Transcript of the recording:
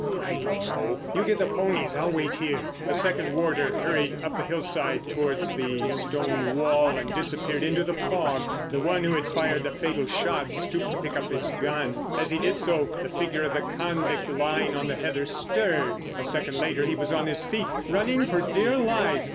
"I don't know. You get the ponies—I'll wait here." The second warder hurried up the hillside towards the stone wall and disappeared into the fog. The one who had fired the fatal shot stooped to pick up his gun. As he did so, the figure of the convict lying on the heather stirred. A second later he was on his feet, running for dear life!